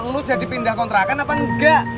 lu jadi pindah kontrakan apa enggak